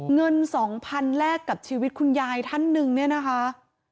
เงิน๒๐๐๐แลกกับชีวิตคุณยายท่านหนึ่งเนี่ยนะคะ